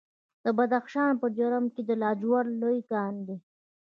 د بدخشان په جرم کې د لاجوردو لوی کان دی.